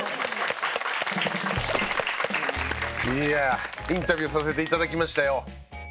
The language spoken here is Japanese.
いやあインタビューさせて頂きましたよ。